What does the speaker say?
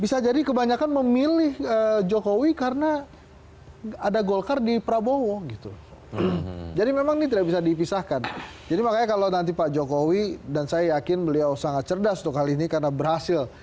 bisa jadi kebanyakan memilih jokowi karena ada golkar di prabowo gitu jadi memang ini tidak bisa dipisahkan jadi makanya kalau nanti pak jokowi dan saya yakin beliau sangat cerdas untuk hal ini karena berhasil